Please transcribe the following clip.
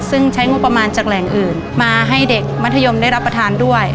ซึ่งใช้งบประมาณจากแหล่งอื่นมาให้เด็กมัธยมได้รับประทานด้วย